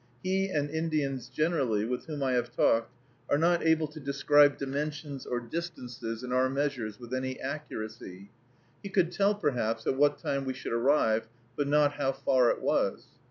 He and Indians generally, with whom I have talked, are not able to describe dimensions or distances in our measures with any accuracy. He could tell, perhaps, at what time we should arrive, but not how far it was.